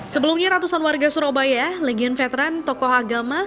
sebelumnya ratusan warga surabaya legion veteran tokoh agama